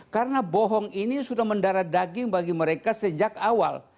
karena bohong ini sudah mendara daging bagi mereka sejak awal